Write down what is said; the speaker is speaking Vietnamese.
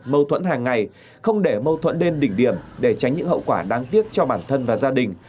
mâu thuẫn hàng ngày không để mâu thuẫn đến đỉnh điểm để tránh những hậu quả đáng tiếc cho bản thân và gia đình